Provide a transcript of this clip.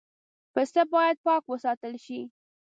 پسه باید پاک وساتل شي.